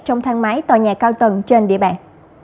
trong thang máy tòa nhà cao tầng trên địa bàn